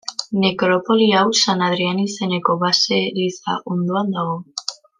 Nekropoli hau San Adrian izeneko baseliza ondoan dago.